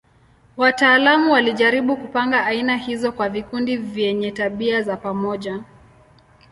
Wataalamu walijaribu kupanga aina hizo kwa vikundi vyenye tabia za pamoja.